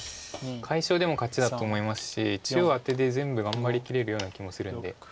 解消でも勝ちだと思いますし中央アテで全部頑張りきれるような気もするんで。